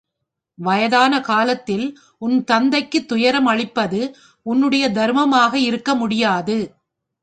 வயதானகாலத்தில் உன்தந்தைக்குத் துயரம் அளிப்பது உன்னுடைய தருமமாக இருக்கமுடியாது.